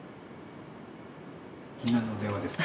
何の電話ですか？